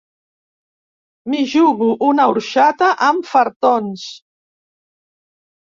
M'hi jugo una orxata amb fartons.